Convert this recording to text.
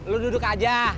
lu duduk aja